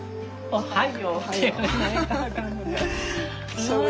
おはよう。